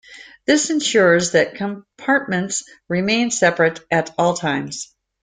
This ensures that compartments remain separate at all times.